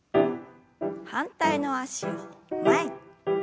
反対の脚を前に。